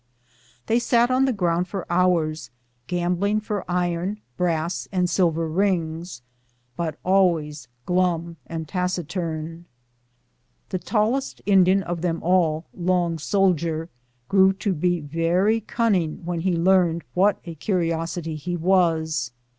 They sat on the ground for hours, CREAKLNG UP OF THE MISSOURI. 239 gambling for iron, brass and silver rings, but always glum and taciturn. The tallest Indian of them all, Long Soldier, grew to be very cunning when he learned what a curiosity he was.